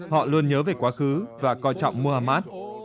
họ luôn nhớ về quá khứ và coi trọng muhammad